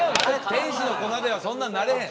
天使の粉ではそんなんなれへん。